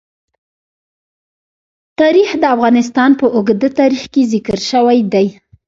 تاریخ د افغانستان په اوږده تاریخ کې ذکر شوی دی.